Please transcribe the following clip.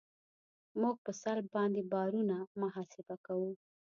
موږ په سلب باندې بارونه محاسبه کوو